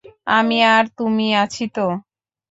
আমি আর তুমি আছি তো।